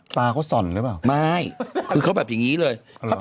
ตาเขาส่อนหรือเปล่า